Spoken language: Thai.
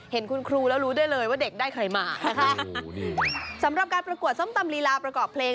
เห็นคุณครูแล้วรู้ได้เลยว่าเด็กได้ใครมานะคะสำหรับการประกวดส้มตำลีลาประกอบเพลง